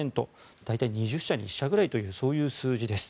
大体２０社に１社ぐらいというそういう数字です。